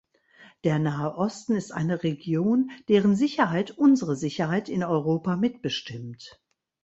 Der Nahe Osten ist eine Region, deren Sicherheit unsere Sicherheit in Europa mitbestimmt.